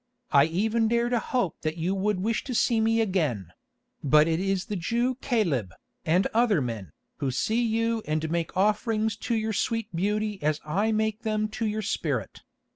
I even dare to hope that you would wish to see me again; but it is the Jew Caleb, and other men, who see you and make offerings to your sweet beauty as I make them to your spirit.